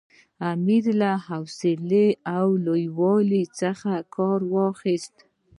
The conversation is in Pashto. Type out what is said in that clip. امیر له حوصلې او لوی والي څخه کار واخیست.